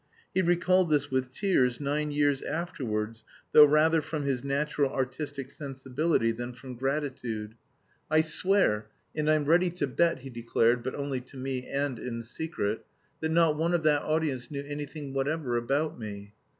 He recalled this with tears nine years afterwards, though rather from his natural artistic sensibility than from gratitude. "I swear, and I'm ready to bet," he declared (but only to me, and in secret), "that not one of that audience knew anything whatever about me."